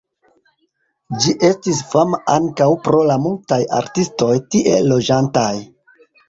Ĝi estis fama ankaŭ pro la multaj artistoj tie loĝantaj.